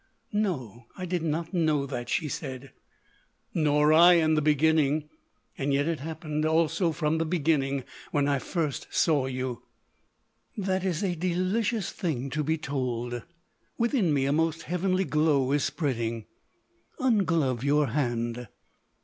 "No, I did not know that," she said. "Nor I, in the beginning. Yet it happened, also, from the beginning when I first saw you." "That is a delicious thing to be told. Within me a most heavenly glow is spreading.... Unglove your hand."